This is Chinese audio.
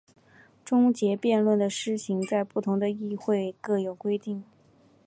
终结辩论的施行在不同的议会各有规定。